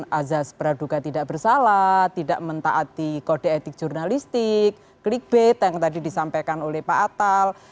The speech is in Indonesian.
kemudian azaz praduga tidak bersalah tidak mentaati kode etik jurnalistik klik bate yang tadi disampaikan oleh pak atal